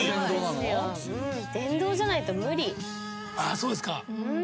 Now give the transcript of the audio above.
そうですか。